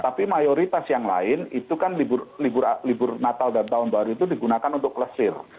tapi mayoritas yang lain itu kan libur natal dan tahun baru itu digunakan untuk lesir